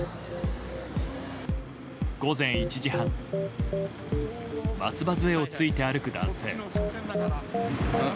午前１時半松葉杖をついて歩く男性。